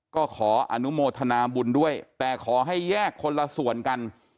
ก็ขออนุโมทนาบุญด้วยแต่ขอให้แยกคนละส่วนกัน